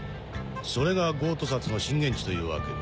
それがゴート札の震源地というわけか。